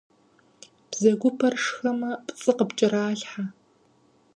Бзэгупэр шхэмэ пцӏы къыпкӏэралъхьэ.